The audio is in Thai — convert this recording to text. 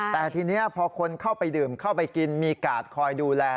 แต่ทีนี้พอคนเข้าไปดื่มเข้าไปกินมีกาดคอยดูแล